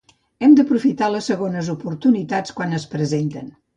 Hem d'aprofitar les segones oportunitats quan es presenten.